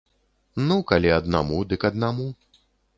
Ну, калі аднаму, дык аднаму.